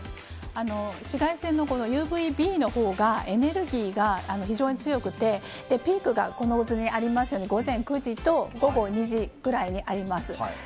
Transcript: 紫外線のＵＶＢのほうがエネルギーが強くてピークがこの図にありますように午前９時と午後２時ぐらいにあります。